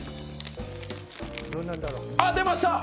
あ、出ました！